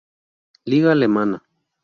Liga alemana.